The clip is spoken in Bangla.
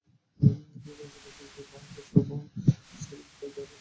তিনি বলেছেন, বিবিসির মহাফেজখানায় প্রায় দেড় হাজার শোক সংবাদের ফাইল আছে।